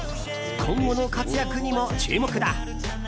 今後の活躍にも注目だ！